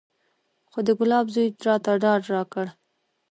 خو د ګلاب زوى راته ډاډ راکړ.